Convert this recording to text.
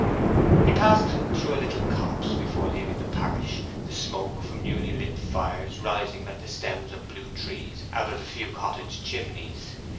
He passed through a little copse before leaving the parish, the smoke from newly lit fires rising like the stems of blue trees out of the few cottage chimneys.